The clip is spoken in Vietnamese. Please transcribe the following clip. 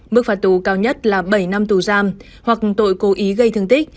mức phạt tù cao nhất là bảy năm tù giam hoặc tội cố ý gây thương tích